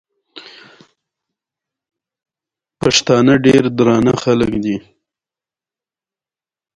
• باران د ګلونو تازهوالی ساتي.